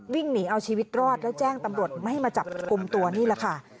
วิ่งหนีเอาชีวิตรอดแล้วแจ้งตำรวจไม่ให้มาจับกลุ่มตัวนี่แหละค่ะ